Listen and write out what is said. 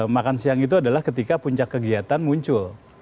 makan siang itu adalah ketika puncak kegiatan muncul